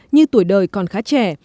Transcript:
như tuổi đời còn khá trẻ